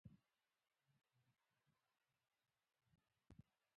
موږ بايد له منطق سره سمې جملې وليکو.